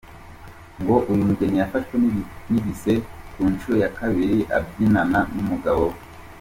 Ngo uyu mugeni yafashwe n’igise ku nshuro ya kabiri abyinana n’umugabo we.